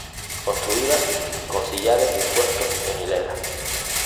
Construida con sillares dispuestos en hileras.